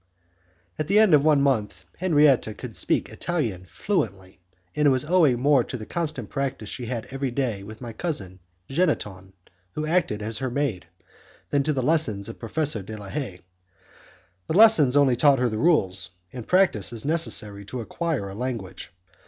At the end of one month, Henriette could speak Italian fluently, and it was owing more to the constant practice she had every day with my cousin Jeanneton, who acted as her maid, than to the lessons of Professor de la Haye. The lessons only taught her the rules, and practice is necessary to acquire a language.